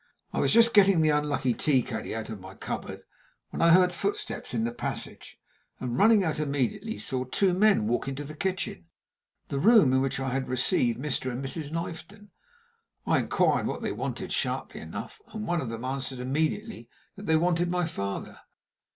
I was just getting the unlucky tea caddy out of my cupboard, when I heard footsteps in the passage, and, running out immediately, saw two men walk into the kitchen the room in which I had received Mr. and Mrs. Knifton. I inquired what they wanted sharply enough, and one of them answered immediately that they wanted my father.